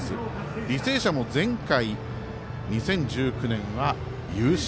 履正社も前回２０１９年は優勝。